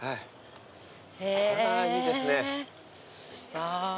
あいいですね。